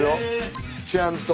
ちゃんと。